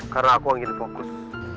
karena aku yang di fokus